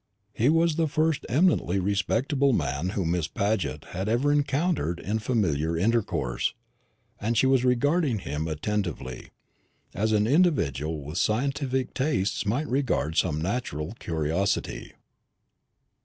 He was the first eminently respectable man whom Miss Paget had ever encountered in familiar intercourse, and she was regarding him attentively, as an individual with scientific tastes might regard some natural curiosity.